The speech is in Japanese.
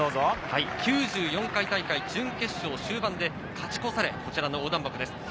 ９４回大会準決勝、終盤で勝ち越され、こちらの横断幕です。